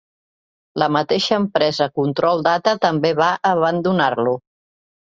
La mateixa empresa Control Data també va abandonar-lo.